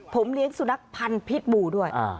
ผมเลี้ยงสุนัขพันธ์พิษบูด้วย